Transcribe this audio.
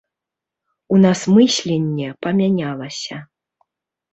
У нас мысленне памянялася.